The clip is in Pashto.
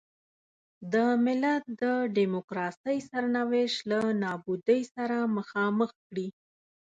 د ملت د ډیموکراسۍ سرنوشت له نابودۍ سره مخامخ کړي.